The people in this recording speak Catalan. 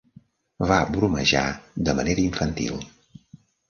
Va bromejar de manera infantil.